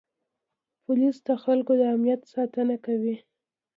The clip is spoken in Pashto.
پولیس د خلکو د امنیت ساتنه کوي.